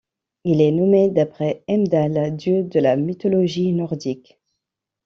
Il est nommé d'après Heimdall, dieu de la mythologie nordique.